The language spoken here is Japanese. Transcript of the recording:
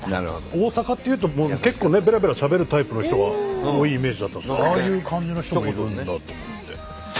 大阪っていうと結構ねベラベラしゃべるタイプの人が多いイメージだったんですけどああいう感じの人がいるんだと思って。